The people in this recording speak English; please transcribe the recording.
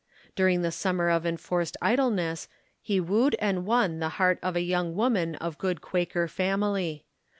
During the summer of enforced idleness he wooed and won the heart of a young woman of good Quaker family.